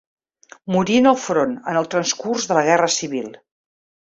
Morí en el front, en el transcurs de la Guerra Civil.